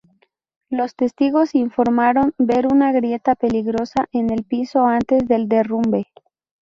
Los testigos informaron ver una grieta peligrosa en el piso antes del derrumbe.